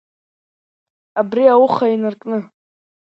Абри ауха инаркны…